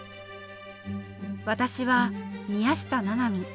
私は宮下七海。